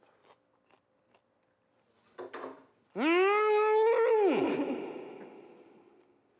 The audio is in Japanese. うん！